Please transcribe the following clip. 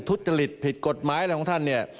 ทุจริตผิดกฎหมายอะไรของท่านเนี่ย